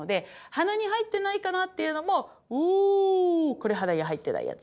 これ鼻に入ってないやつ。